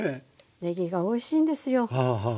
ねぎがおいしいんですよ。